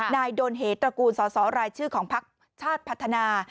นายโดนเหตุตระกูลสรชพลักษณ์ชาติพัฒนา